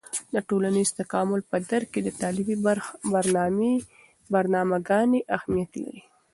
د ټولنیز تکامل په درک کې د تعلیمي برنامه ګانې اهیمت لري.